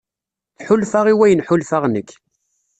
Tḥulfa i wayen ḥulfaɣ nekk.